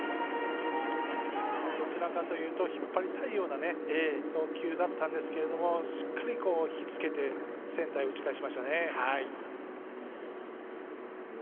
どちらかというと引っ張りたいような投球だったんですけれどもしっかり、引きつけてセンターへ打ち返しました。